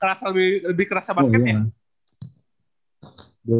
atau lebih kerasa basketnya